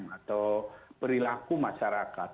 atau perilaku masyarakat